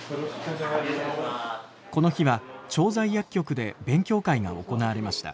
この日は調剤薬局で勉強会が行われました。